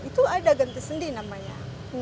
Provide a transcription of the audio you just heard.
itu ada ganti sendi namanya